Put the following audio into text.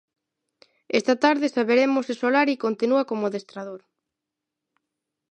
Esta tarde saberemos se Solari continúa como adestrador.